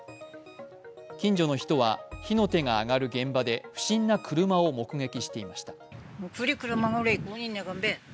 近所の人は、火の手が上がる現場で不審な車を目撃していました。